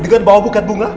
dengan bawa bukat bunga